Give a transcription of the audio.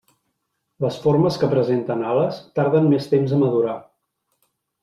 Les formes que presenten ales tarden més temps a madurar.